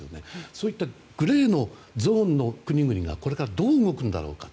そういったグレーのゾーンの国々がこれからどう動くんだろうか。